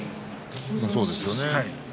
そうですよね。